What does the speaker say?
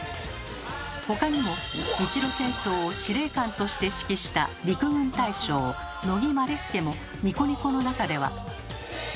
他にも日露戦争を司令官として指揮した陸軍大将乃木希典も「ニコニコ」の中では。